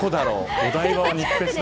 お台場は肉フェスだけど。